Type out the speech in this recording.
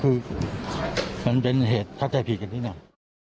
คือมันเป็นเหตุเข้าใจผิดกันนิดหน่อย